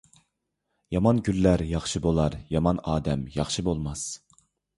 يامان كۈنلەر ياخشى بولار، يامان ئادەم ياخشى بولماس.